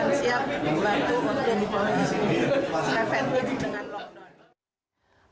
akan siap membantu membuat kepentingan